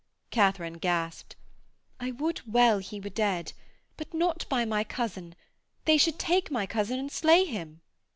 Katharine gasped: 'I would well he were dead. But not by my cousin. They should take my cousin and slay him.'